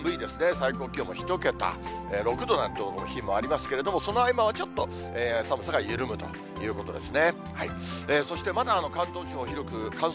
最高気温も１桁、６度なんて日もありますけれども、そのあいまはちょっと寒さが緩むということですね。